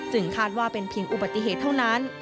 คาดว่าเป็นเพียงอุบัติเหตุเท่านั้น